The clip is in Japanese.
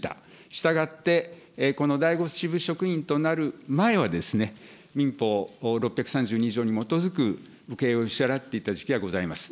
従って、この第５支部職員となる前は、民法６３２条に基づく請け負いを支払っていた時期がございます。